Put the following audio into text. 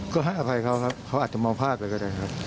ก็ให้อภัยเขาครับเขาอาจจะมองพลาดไปก็ได้ครับ